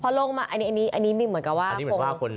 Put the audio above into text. พอลงมาอันนี้อันนี้อันนี้มีเหมือนกับว่าอันนี้เหมือนกับว่าคน